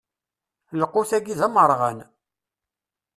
Lqut-agi d amerɣan.